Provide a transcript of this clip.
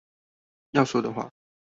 要說的話